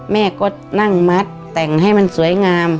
แม่ก็นั่งมัดแต่งให้มันสวยงาม